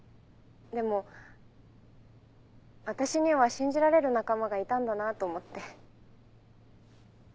でも私には信じられる仲間がいたんだなと思って。